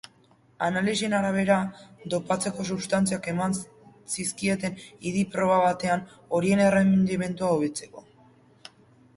Analisien arabera, dopatzeko substantziak eman zizkieten idi-proba batean horien errendimendua hobetzeko.